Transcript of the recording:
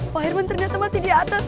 pak herman ternyata masih di atas